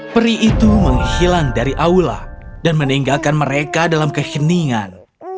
peri itu menghilang dari aula dan meninggalkan mereka dalam keheningan